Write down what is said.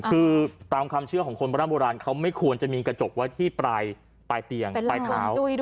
คือตามความเชื่อของคนโบราณโบราณเขาไม่ควรจะมีกระจกไว้ที่ปลายเตียงปลายเท้า